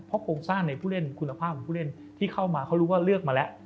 โครงสร้างในผู้เล่นคุณภาพของผู้เล่นที่เข้ามาเขารู้ว่าเลือกมาแล้ว